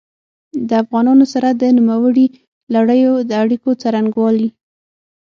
د افغانانو سره د نوموړي لړیو د اړیکو څرنګوالي.